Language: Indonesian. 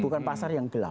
bukan pasar yang gelap